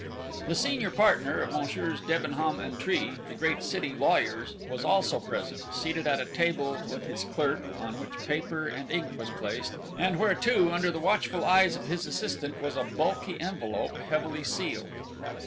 The senior partner of Messrs. Debenham & Tree, the great city lawyers, was also present, seated at a table with his clerk, on which paper and ink was placed, and where too, under the watchful eyes of his assistant, was a bulky envelope heavily sealed.